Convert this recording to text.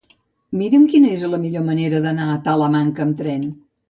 Mira'm quina és la millor manera d'anar a Talamanca amb tren.